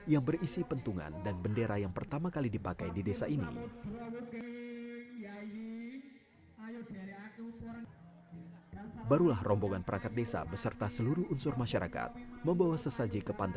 yang biasanya digelar pada hajatan besar penduduk setempat